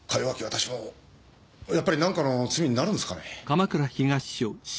私もやっぱり何かの罪になるんですかね？